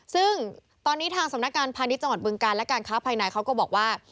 ซึ่งตอนนี้ทางสำนักการพาณิชย์จังหวัดบึงการและการค้าภายในเขาก็บอกว่า